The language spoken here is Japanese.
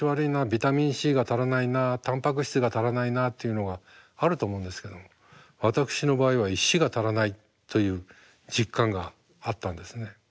ビタミンＣが足らないなあタンパク質が足らないなあっていうのがあると思うんですけど私の場合は石が足らないという実感があったんですね。